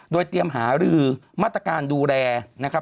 โดยเตรียมหารือมาตรการดูแลนะครับ